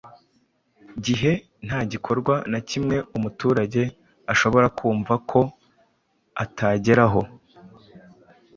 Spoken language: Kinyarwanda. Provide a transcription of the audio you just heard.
gihe. Nta gikorwa na kimwe umuturage ashobora kumva ko atageraho